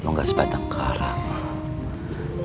lu gak sebatang karang